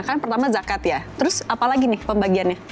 kan pertama zakat ya terus apalagi nih pembagiannya